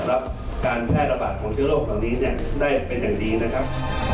รับการแพร่ระบาดของเชื้อโรคเหล่านี้ได้เป็นอย่างดีนะครับ